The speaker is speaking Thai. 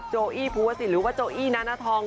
โอี้ภูวศิษย์หรือว่าโจอี้นานาทอง